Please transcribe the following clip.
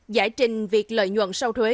giải trình việc lợi nhuận sau thuế